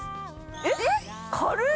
えっ軽っ！